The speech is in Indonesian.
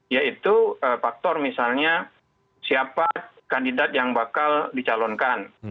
yaitu faktor misalnya siapa kandidat yang bakal dicalonkan